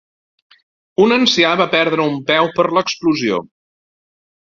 Un ancià va perdre un peu per l'explosió.